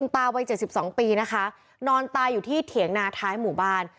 ตาวัย๗๒ปีนะคะนอนตายอยู่ที่เถียงนาท้ายหมู่บ้าน